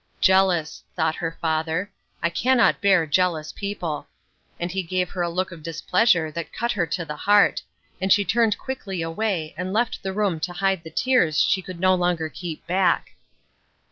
"Jealous," thought her father; "I cannot bear jealous people;" and he gave her a look of displeasure that cut her to the heart, and she turned quickly away and left the room to hide the tears she could no longer keep back.